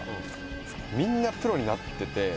みんなプロになってて」